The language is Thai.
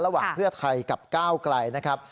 ระหว่างเพื่อไทยกับก้าวไกลนะครับ